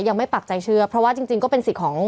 ปักใจเชื่อเพราะว่าจริงก็เป็นสิทธิ์ของ